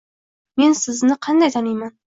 - Men sizni qanday taniyman